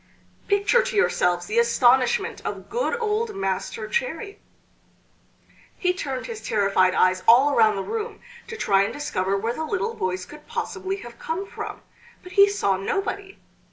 Picture to yourselves the astonishment of good old Master Cherry! He turned his terrified eyes all around the room to try and discover where the little voice could possibly have come from, but he saw nobody!